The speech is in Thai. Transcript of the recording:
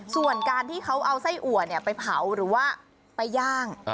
ส่วนการที่เขาเอาไส้อัวไปเผาหรือว่าไปย่าง